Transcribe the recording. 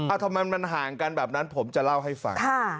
ทำไมมันห่างกันแบบนั้นผมจะเล่าให้ฟัง